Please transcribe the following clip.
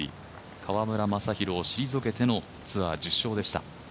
川村昌弘を退けてのツアー１０勝でした。